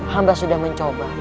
hamba sudah mencoba